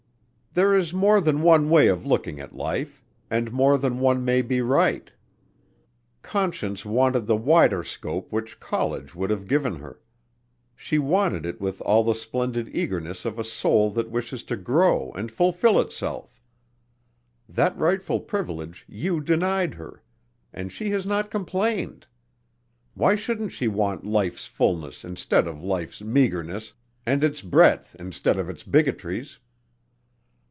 "There is more than one way of looking at life and more than one may be right. Conscience wanted the wider scope which college would have given her. She wanted it with all the splendid eagerness of a soul that wishes to grow and fulfill itself. That rightful privilege you denied her and she has not complained. Why shouldn't she want life's fullness instead of life's meagerness and its breadth instead of its bigotries?